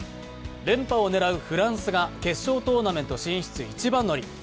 連覇を狙うフランスが決勝トーナメント進出一番乗り。